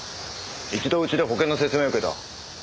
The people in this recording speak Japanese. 一度うちで保険の説明受けた。